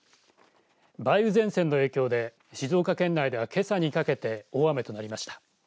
梅雨前線の影響で静岡県内では、けさにかけて大雨となりました。